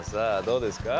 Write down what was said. どうですか。